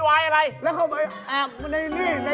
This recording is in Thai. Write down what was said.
มันมีอะไรจะพูดเหรอละไง